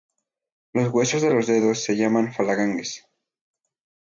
Los huesos de los dedos se llaman "falanges".